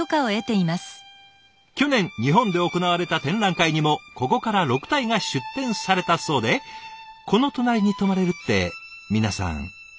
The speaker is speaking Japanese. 去年日本で行われた展覧会にもここから６体が出展されたそうでこの隣に泊まれるって皆さんいかがです？